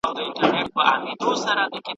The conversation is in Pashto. موسیقي د انسان روح ته ارامي ورکوي.